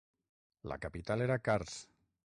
La capital era Kars.